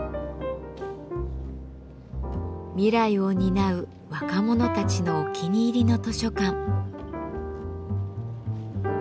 未来を担う若者たちのお気に入りの図書館。